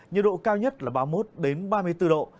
nhiệt độ cao nhất là ba mươi một ba mươi bốn độ